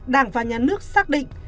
đảng và nhà nước xác định